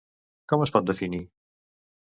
Com es pot definir?